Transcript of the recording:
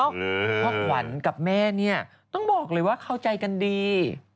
เพราะขวัญกับแม่เนี่ยต้องบอกเลยว่าเข้าใจกันดี